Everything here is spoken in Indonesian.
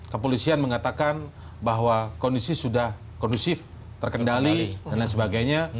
kepolisian mengatakan bahwa kondisi sudah kondusif terkendali dan lain sebagainya